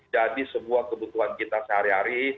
jadi sebuah kebutuhan kita sehari hari